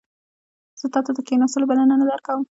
زه تا ته د کښیناستلو بلنه نه درکوم